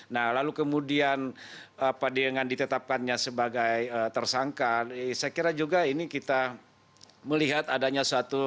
nah lalu kemudian apa dengan ditetapkannya sebagai tersangka saya kira juga ini kita melihat adanya suatu